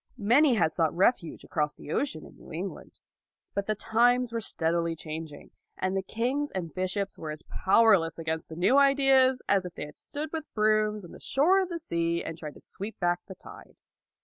Many had sought refuge across the ocean in New England. But the times were steadily changing, and kings and bishops were as powerless against the new ideas as if they had stood with brooms on the shore of the sea and tried to sweep back the tide.